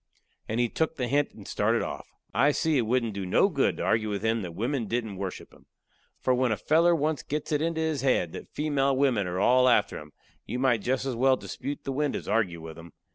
And he took the hint and started off. I see it wouldn't do no good to argue with him that wimmen didn't worship him. For when a feller once gets it into his head that female wimmen are all after him, you might jest as well dispute the wind as argue with him.